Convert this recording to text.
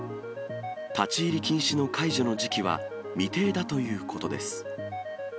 立ち入り禁止の解除の時期は未定だということです。